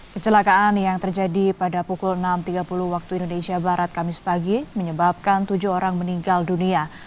kecelakaan yang terjadi pada pukul enam tiga puluh waktu indonesia barat kamis pagi menyebabkan tujuh orang meninggal dunia